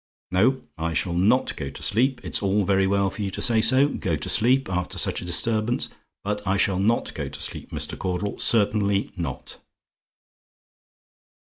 No, I shall not go to sleep; it's all very well for you to say, go to sleep, after such a disturbance. But I shall not go to sleep, Mr. Caudle; certainly not."